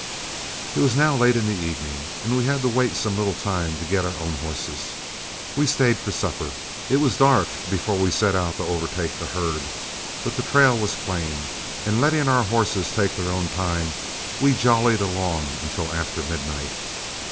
It was now late in the evening, and as we had to wait some little time to get our own horses, we stayed for supper. It was dark before we set out to overtake the herd, but the trail was plain, and letting our horses take their own time, we jollied along until after midnight.